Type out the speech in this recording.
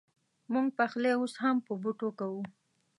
مونږ پخلی اوس هم په بوټو کوو